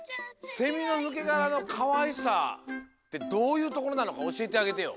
セミのぬけがらのかわいさってどういうところなのかおしえてあげてよ。